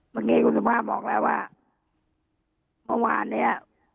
เมื่อกี้คุณสุภาพบอกแล้วว่าเมื่อวานเนี้ย